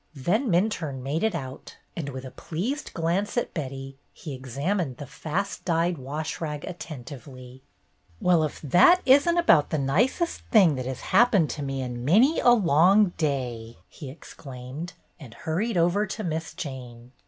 Then Minturne made it out, and with a pleased glance at Betty, he examined the fast dyed wash rag attentively. "Well, if that isn't about the nicest thing that has happened to me in many a long i6o BETTY BAIRD'S GOLDEN YEAR day!" he exclaimed, and hurried over to Miss Jane.